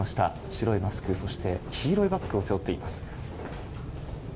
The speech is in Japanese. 白いマスク、そして黄色いバッグを背負っています。